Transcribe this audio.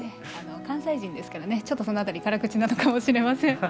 関西人ですからちょっとその辺り、辛口なところあるかもしれません。